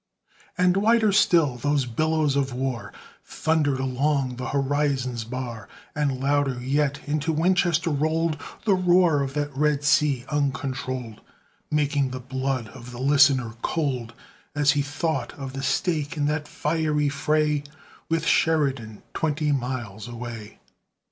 And wider still those billows of war Thundered along the horizon's bar; And louder yet into Winchester rolled The roar of that red sea uncontrolled, Making the blood of the listener cold, As he thought of the stake in that fiery fray, With Sheridan twenty miles away.